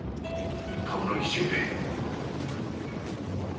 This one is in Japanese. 鏑木十兵衛！